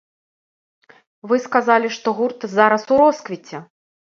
Вы сказалі, што гурт зараз у росквіце.